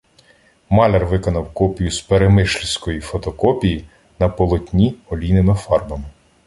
Маляр виконав копію з перемишльської фотокопії на полотні олійними фарбами.